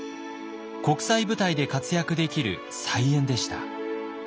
国際舞台で活躍できる才媛でした。